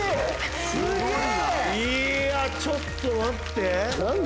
ちょっと待って！